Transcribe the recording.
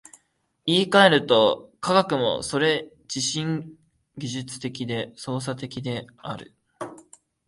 言い換えると、科学もそれ自身技術的で操作的である。